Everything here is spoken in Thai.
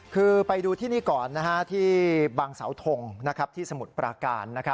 คือไปดูที่นี่ก่อนที่บางเสาทงที่สมุทรปราการ